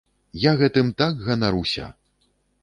Я гэтым так ганаруся!